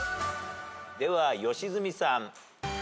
では良純さん。